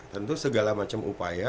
tentu segala macam upaya